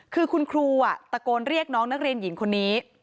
คือคุณครูตะโกนเรียกน้องนักเรียนหญิงคนนี้